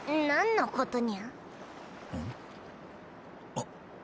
あっ！